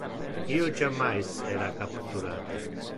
Io jammais era capturate.